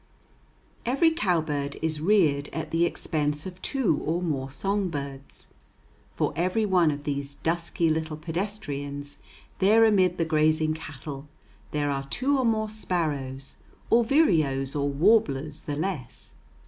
Every cowbird is reared at the expense of two or more song birds. For every one of these dusky little pedestrians there amid the grazing cattle there are two or more sparrows, or vireos, or warblers, the less.